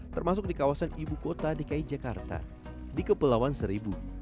termasuk di kawasan ibu kota dki jakarta di kepulauan seribu